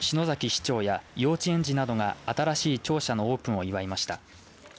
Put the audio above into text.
市長や幼稚園児などが新しい庁舎のオープンを祝いました。